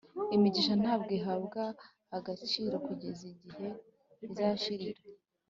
imigisha ntabwo ihabwa agaciro kugeza igihe izashirira